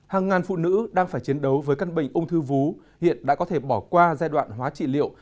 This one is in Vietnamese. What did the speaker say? hàng ngàn phụ nữ đang phải chiến đấu với căn bệnh ung thư vú hiện đã có thể bỏ qua giai đoạn hóa trị liệu